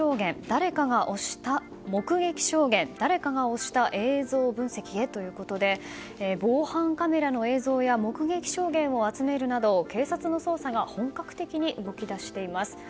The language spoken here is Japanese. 誰かが押した映像分析へ、ということで防犯カメラの映像や目撃証言を集めるなど警察の捜査が本格的に動き出しています。